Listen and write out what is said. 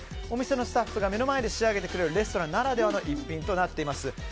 お店の人が目の前で仕上げてくれるレストランならではの一品となっています。